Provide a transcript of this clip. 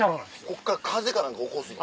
こっから風か何か起こすの？